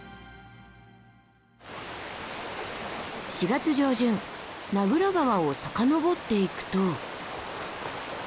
４月上旬名蔵川を遡っていくと。